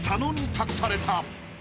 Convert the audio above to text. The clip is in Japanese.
［託された］